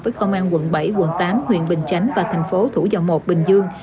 với công an quận bảy quận tám huyện bình chánh và thành phố thủ dầu một bình dương